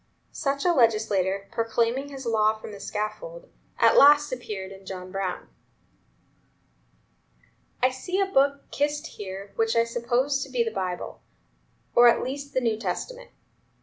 Such a legislator, proclaiming his law from the scaffold, at last appeared in John Brown: "I see a book kissed here which I suppose to be the Bible, or at least the New Testament.